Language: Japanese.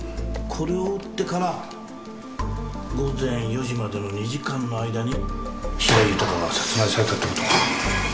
これを打ってから午前４時までの２時間の間に白井豊が殺害されたって事か。